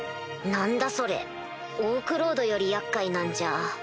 何だそれオークロードより厄介なんじゃ。